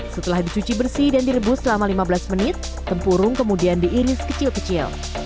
setelah dicuci bersih dan direbus selama lima belas menit tempurung kemudian diiris kecil kecil